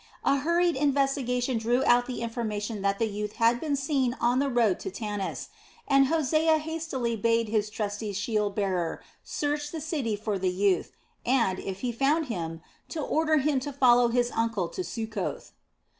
A hurried investigation drew out the information that the youth had been seen on the road to Tanis, and Hosea hastily bade his trusty shield bearer search the city for the youth and, if he found him, to order him to follow his uncle to Succoth.